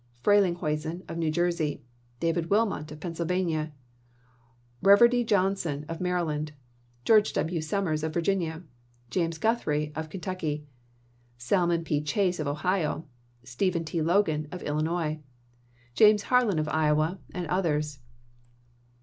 Frelinghuysen, of New Jersey ; David Wilmot, of Pennsylvania ; Reverdy Johnson, of Maryland ; George W. Summers, of Virginia ; James Guthrie, of Kentucky ; Salmon P. Chase, of Ohio ; Stephen T. Logan, of Illinois ; James Harlan, of Iowa, and others.